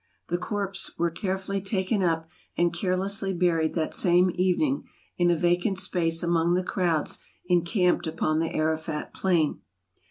The corpses were carefully taken up, and carelessly buried that same evening, in a vacant space among the crowds encamped upon the Arafat plain.